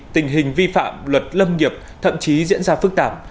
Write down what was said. tình hình vi phạm luật lâm nghiệp thậm chí diễn ra phức tạp